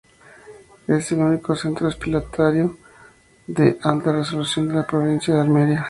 Es el único centro hospitalario de alta resolución de la provincia de Almería.